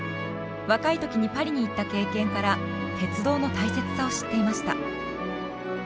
若い時にパリに行った経験から鉄道の大切さを知っていました。